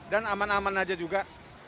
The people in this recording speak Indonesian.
dan aman aman aja juga